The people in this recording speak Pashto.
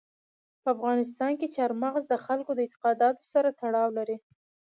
په افغانستان کې چار مغز د خلکو د اعتقاداتو سره تړاو لري.